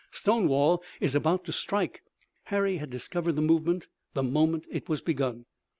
Stonewall is about to strike." Harry had discovered the movement the moment it was begun.